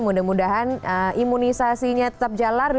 mudah mudahan imunisasinya tetap jalan